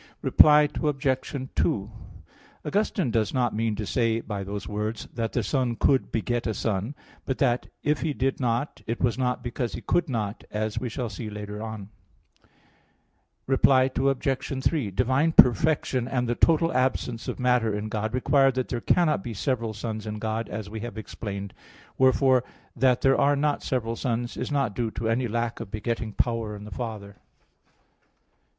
Reply Obj. 2: Augustine does not mean to say by those words that the Son could beget a Son: but that if He did not, it was not because He could not, as we shall see later on (Q. 42, A. 6, ad 3). Reply Obj. 3: Divine perfection and the total absence of matter in God require that there cannot be several Sons in God, as we have explained. Wherefore that there are not several Sons is not due to any lack of begetting power in the Father.